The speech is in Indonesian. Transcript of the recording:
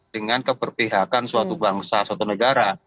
dengan keberpihakan suatu bangsa suatu negara